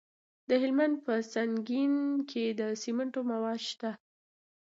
د هلمند په سنګین کې د سمنټو مواد شته.